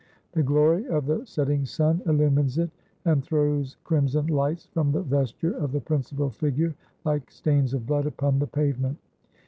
The glory of the setting sun illumines it, and throws crimson lights from the vesture of the principal figure—like stains of blood—upon the pavement.